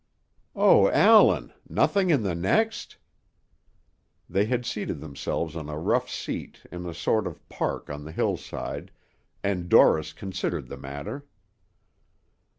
"O Allan! Nothing in the next?" They had seated themselves on a rough seat in a sort of park on the hillside, and Dorris considered the matter.